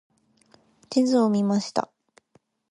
地図を見ました。